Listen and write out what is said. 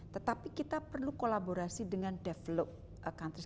tetapi kita perlu kolaborasi dengan develop countries